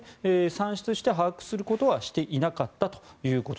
算出して把握することはしていなかったと。